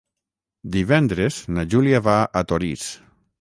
Divendres na Júlia va a Torís.